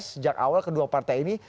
sejak awal kedua partai ini